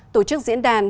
tổ chức diễn đàn